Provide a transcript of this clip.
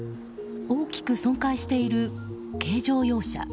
大きく損壊している軽乗用車。